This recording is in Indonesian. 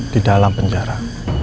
di dalam penjara